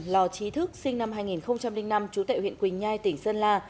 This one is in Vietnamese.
lò trí thức sinh năm hai nghìn năm trú tại huyện quỳnh nhai tỉnh sơn la